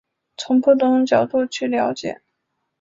从不同角度去了解